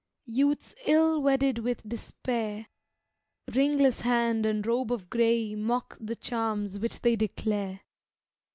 Youth's ill wedded with despair; Ringless hand and robe of grey Mock the charms which they declare."